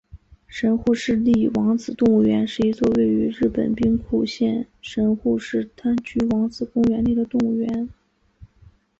神户市立王子动物园是一座位于日本兵库县神户市滩区王子公园内的动物园。